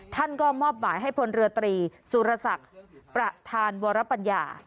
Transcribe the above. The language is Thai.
ท่านก็มอบหมายให้พลเรือตรีสุรศักดิ์ประธานวรปัญญา